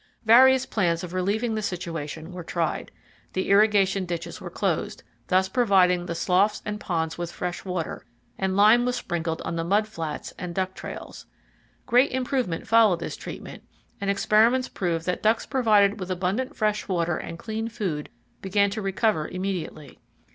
Various plans of relieving the situation were tried. The irrigation ditches were closed, thus providing the sloughs and ponds with fresh water, and lime was sprinkled on the mud flats and duck trails. Great improvement followed this treatment, and experiments proved that ducks provided with abundant fresh water and clean food began to recover immediately.